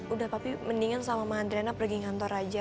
udah papi mendingan sama madrena pergi kantor aja